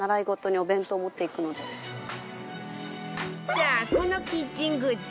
さあこのキッチングッズ